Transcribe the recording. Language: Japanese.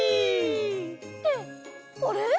ってあれ？